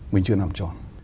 mình chưa làm tròn